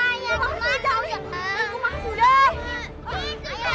iya jang cepet jang